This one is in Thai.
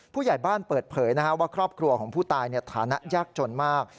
ผู้ใหญ่บ้านเปิดเผยว่าครอบครัวของผู้ตายฐานะยากจนมาก